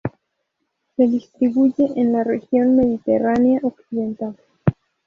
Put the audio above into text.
Se distribuye en la Región mediterránea Occidental.